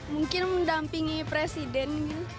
mungkin mendampingi presiden